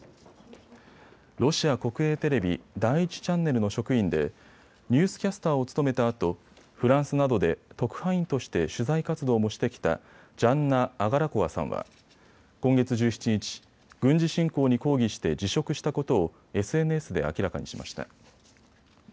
ロシア国営テレビ、第１チャンネルの職員でニュースキャスターを務めたあとフランスなどで特派員として取材活動もしてきたジャンナ・アガラコワさんは今月１７日、軍事侵攻に抗議して辞職したことをＳＮＳで明らかにしました。